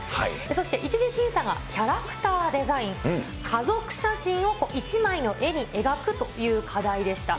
そして１次審査がキャラクターデザイン、家族写真を一枚の絵に描くという課題でした。